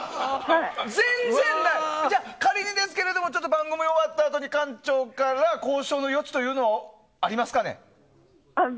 じゃあ、仮に番組が終わったあと館長から交渉の余地というのはありますかね？